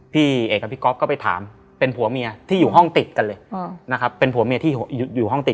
พี่เอกกับพี่ก๊อปก็ไปถามเป็นผัวเมียที่อยู่ห้องติดกันเลย